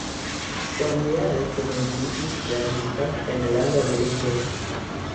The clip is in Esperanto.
Samjare komenciĝis la Hispana Enlanda Milito.